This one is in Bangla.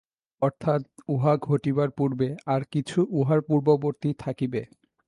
অর্থাৎ উহা ঘটিবার পূর্বে আর কিছু উহার পূর্ববর্তী থাকিবে।